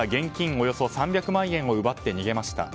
およそ３００万円を奪って逃げました。